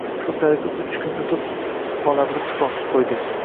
Shu tariqa uch kun o`tib, bolamni tuproqqa qo`ydik